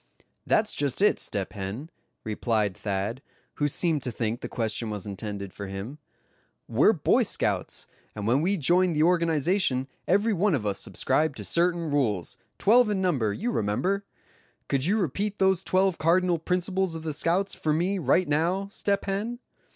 "That's just it, Step Hen," replied Thad, who seemed to think the question was intended for him; "we're Boy Scouts, and when we joined the organization every one of us subscribed to certain rules, twelve in number, you remember. Could you repeat those twelve cardinal principles of the scouts for me right now, Step Hen?"